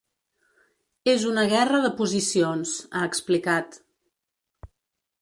És una guerra de posicions, ha explicat.